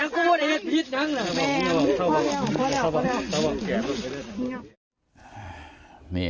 ตอนเสริมวันนี้